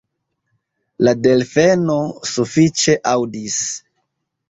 La delfeno sufiĉe aŭdis.